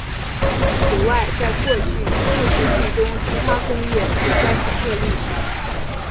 此外在过去数世纪中其它工业也在肯特立足。